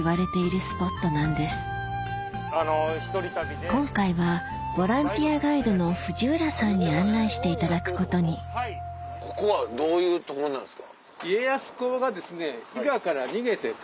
こちら今回はボランティアガイドのに案内していただくことにここはどういう所なんですか？